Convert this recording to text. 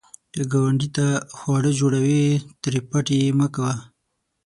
که ګاونډي ته خواړه جوړوې، ترې پټ یې مه کوه